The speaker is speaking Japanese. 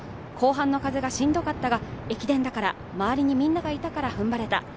後半の風がしんどかったが、駅伝だから、周りにみんながいたから踏ん張れた。